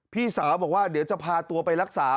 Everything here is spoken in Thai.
พี่สาวบอกว่าเดี๋ยวจะพาตัวไปรักษา